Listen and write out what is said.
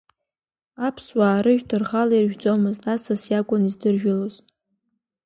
Аԥсуаа арыжәтә рхала иржәӡомызт, асас иакәын издыржәылоз.